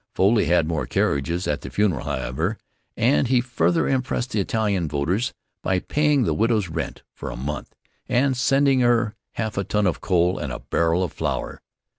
Foley had more carriages at the funeral, however, and he further impressed the Italian voters by paying the widow's rent for a month, and sending her half a ton of coal and a barrel of flour.